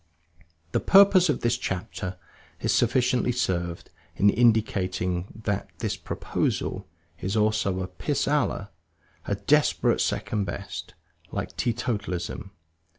The purpose of this chapter is sufficiently served in indicating that this proposal also is a pis aller, a desperate second best like teetotalism.